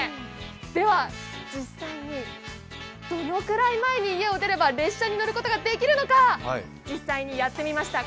では、実際にどのくらい前に家を出れば列車に乗ることができるのか実際にやってみました。